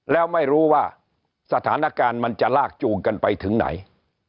แล้วไม่รู้ว่าสถานการณ์มันจะลากจูงกันไปถึงไหน